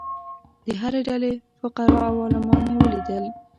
د هرې ډلې فقراء او عالمان مې ولیدل.